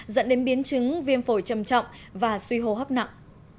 dẫn đến biến chứng viêm phổi trầm trọng và suy hô hấp nặng